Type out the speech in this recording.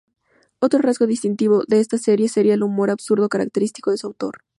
Otro rasgo distintivo de esta serie sería el humor absurdo característico de su autor.